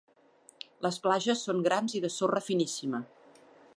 Les platges són grans i de sorra finíssima.